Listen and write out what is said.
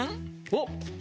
おっ！